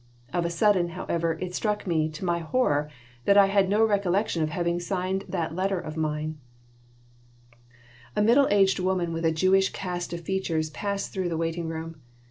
Of a sudden, however, it struck me, to my horror, that I had no recollection of having signed that letter of mine A middle aged woman with a Jewish cast of features passed through the waiting room.